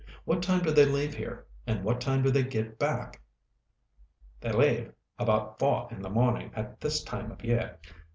What time do they leave here, and what time do they get back?" "They leave about four in the morning at this time of year.